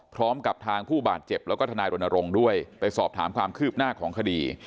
พร้อมกับทางผู้บาดเจ็บแล้วก็ทนายรณรงค์ด้วยไปสอบถามความคืบหน้าของคดี